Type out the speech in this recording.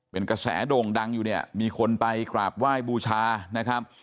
เป็นกระแสโด่งดังอยู่เนี่ยมีคนไปกราบไหว้บูชานะครับ